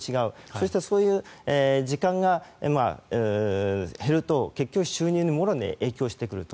そして、そういう時間が減ると結局、収入にもろに影響してくると。